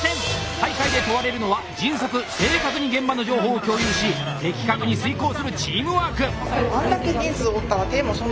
大会で問われるのは迅速・正確に現場の情報を共有し的確に遂行するチームワーク。